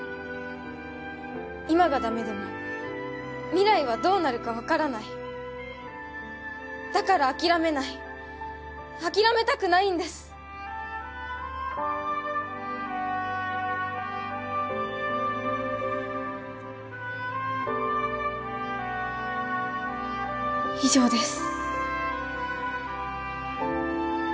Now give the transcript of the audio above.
今がダメでも未来はどうなるか分からないだから諦めない諦めたくないんです以上です